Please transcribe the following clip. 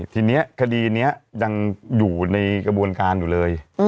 ทีนี้คดีนี้ยังอยู่ในกระบวนการอยู่เลย